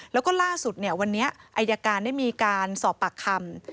แล้วก็ล่าสุดวันนี้อายการได้มีการสอบปากคำ